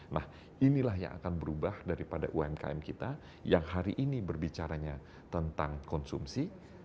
nah inilah yang akan berubah daripada umkm kita yang hari ini berbicaranya tentang konsumsi